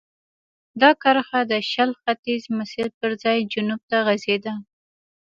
دا کرښه د شل ختیځ مسیر پر ځای جنوب ته غځېده.